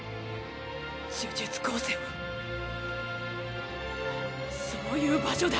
呪術高専はそういう場所だ。